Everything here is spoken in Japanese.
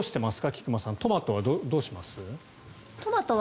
菊間さんトマトはどうしてます？